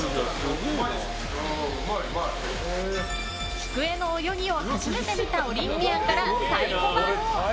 きくえの泳ぎを初めて見たオリンピアンから太鼓判。